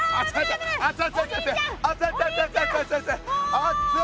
あっつい！